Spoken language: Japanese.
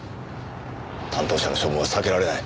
担当者の処分は避けられない。